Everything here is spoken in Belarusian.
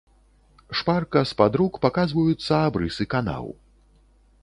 Шпарка з-пад рук паказваюцца абрысы канаў.